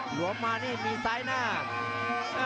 หลวงมานี่มีซ้ายหน้า